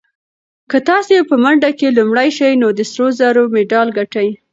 که تاسي په منډه کې لومړی شئ نو د سرو زرو مډال ګټئ.